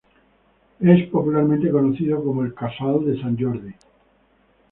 Es popularmente conocido como el "Casal de Sant Jordi".